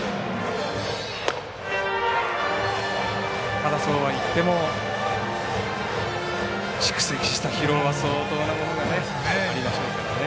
ただ、そうはいっても蓄積した疲労は相当なものがありましょうからね。